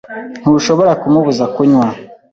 Ntushobora kumubuza kunywa.